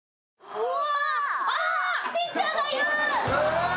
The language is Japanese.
うわ！